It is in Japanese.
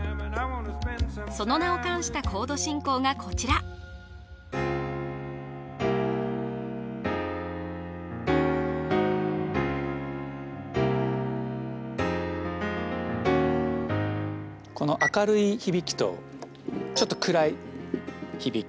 その名を冠したコード進行がこちらこの明るい響きとちょっと暗い響き